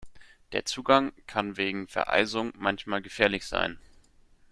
Der Zugang kann wegen Vereisung manchmal gefährlich sein.